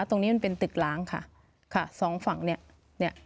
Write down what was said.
ตรงนี้มันเป็นตึกล้างค่ะค่ะสองฝั่งเนี่ยเนี่ย